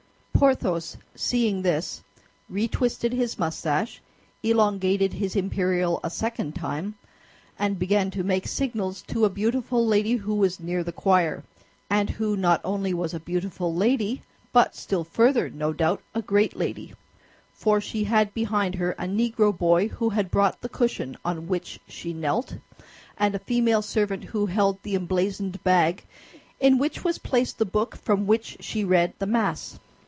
Porthos, seeing this, retwisted his mustache, elongated his imperial a second time, and began to make signals to a beautiful lady who was near the choir, and who not only was a beautiful lady, but still further, no doubt, a great lady—for she had behind her a Negro boy who had brought the cushion on which she knelt, and a female servant who held the emblazoned bag in which was placed the book from which she read the Mass.